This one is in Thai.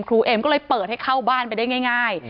เอ็มก็เลยเปิดให้เข้าบ้านไปได้ง่าย